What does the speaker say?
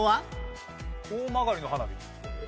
大曲の花火。